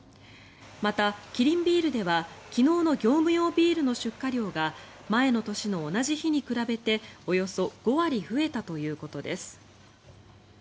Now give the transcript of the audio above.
また、キリンビールでは昨日の業務用ビールの出荷量が前の年の同じ日に比べておよそ５割増えたということです。